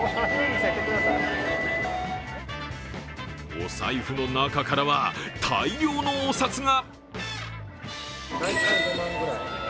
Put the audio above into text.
お財布の中からは大量のお札が。